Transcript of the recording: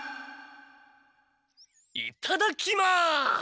いただきます。